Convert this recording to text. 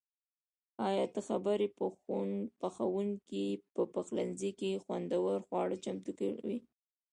ایا ته خبر یې؟ پخونکي په پخلنځي کې خوندور خواړه چمتو کړي.